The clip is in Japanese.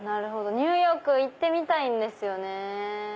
ニューヨーク行ってみたいんですよね。